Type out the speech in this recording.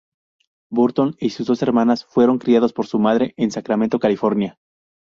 Burton y sus dos hermanas fueron criados por su madre en Sacramento, California.